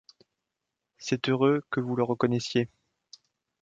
C’est heureux que vous le reconnaissiez !